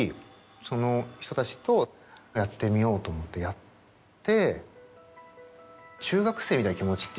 その人たちとやってみようと思ってやって。